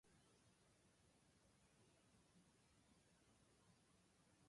えータイミングー、タイミングだなー